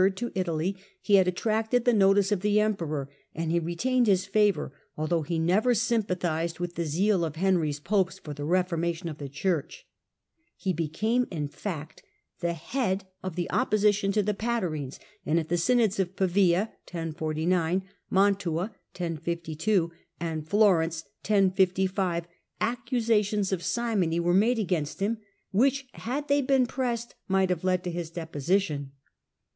to Italy he had at tracted the notice of the emperor, and he retained his favour although he never sympathised with the zeal of Henry's popes for the reformation of the Church. He became, in fact, the head of the opposition to the Patarines, and at the synods of Pavia (1049), Mantua (1052), and Florence (1055) accusations of simony were made against him, which, had they been pressed, might have led to his deposition.